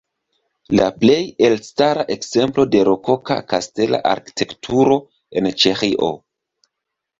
La plej elstara ekzemplo de rokoka kastela arkitekturo en Ĉeĥio.